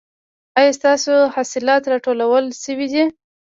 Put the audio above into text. ایا ستاسو حاصلات راټول شوي دي؟